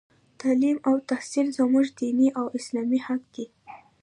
تـعلـيم او تحـصيل زمـوږ دينـي او اسـلامي حـق دى.